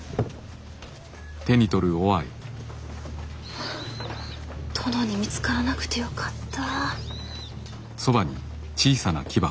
はあ殿に見つからなくてよかった。